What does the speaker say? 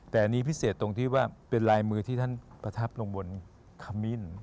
แต่อันนี้พิเศษตรงที่ว่าเป็นลายมือที่ท่านประทับลงบนขมิ้น